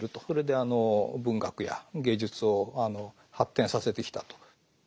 それであの文学や芸術を発展させてきたと。